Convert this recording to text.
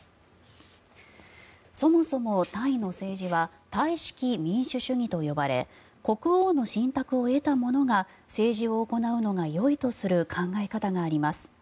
そもそも、タイの政治はタイ式民主主義と呼ばれ国王の信託を得た者が政治を行うのがよいとする考え方があります。